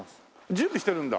準備してるんだ。